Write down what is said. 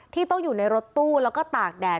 ที่ต้องอยู่ในรถตู้แล้วก็ตากแดด